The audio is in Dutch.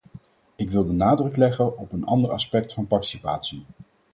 Ik wil de nadruk leggen op een ander aspect van participatie.